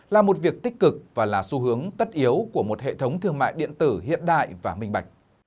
là một việc tích cực và là xu hướng tất yếu của một hệ thống thương mại điện tử hiện đại và minh bạch